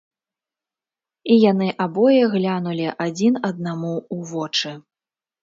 І яны абое глянулі адзін аднаму ў вочы.